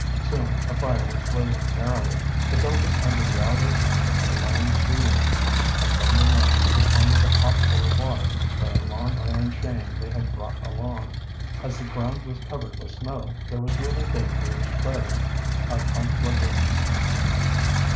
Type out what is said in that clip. Soon a fire was blazing merrily. They built it under the outer end of a long tree limb, and from the limb suspended a pot full of water by a long iron chain they had brought along. As the ground was covered with snow, there was little danger of spreading a conflagration.